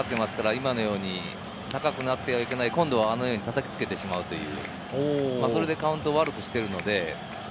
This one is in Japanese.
今のように高くなってはいけない、今度はたたきつけてしまう、それでカウントを悪くしてるので。